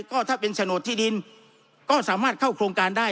ก็ถ้าเป็นโฉนดที่ดินก็สามารถเข้าโครงการได้